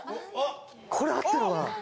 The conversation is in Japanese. これ合ってるのかな？